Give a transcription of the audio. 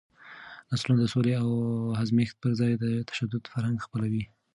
نسلونه د سولې او همزیستۍ پر ځای د تشدد فرهنګ خپلوي.